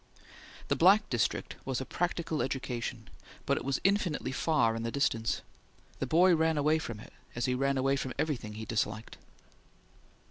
The Black District was a practical education, but it was infinitely far in the distance. The boy ran away from it, as he ran away from everything he disliked.